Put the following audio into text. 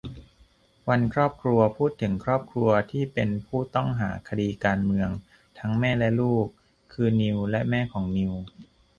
วันครอบครัว พูดถึงครอบครัวที่เป็นผู้ต้องหาคดีการเมืองทั้งแม่และลูก คือ นิวและแม่ของนิว